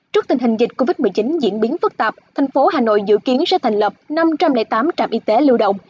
trước tình hình dịch covid một mươi chín diễn biến phức tạp thành phố hà nội dự kiến sẽ thành lập năm trăm linh tám trạm y tế lưu động